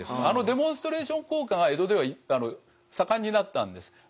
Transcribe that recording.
あのデモンストレーション効果が江戸では盛んになったんです。